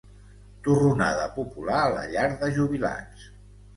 Torronada popular a la llar de jubilats.